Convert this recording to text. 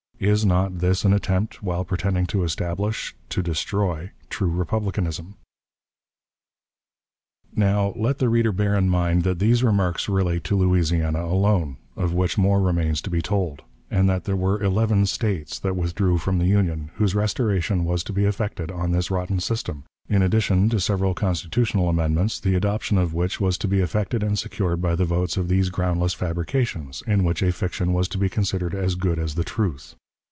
'" Is not this an attempt, while pretending to establish, to destroy true republicanism? Now, let the reader bear in mind that these remarks relate to Louisiana alone, of which more remains to be told; and that there were eleven States that withdrew from the Union, whose restoration was to be effected on this rotten system, in addition to several constitutional amendments, the adoption of which was to be effected and secured by the votes of these groundless fabrications, in which a fiction was to be considered as good as the truth.